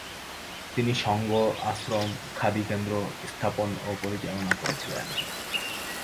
তিনি সংঘ, আশ্রম, খাদী কেন্দ্র স্থাপন ও পরিচালনা করেছিলেন।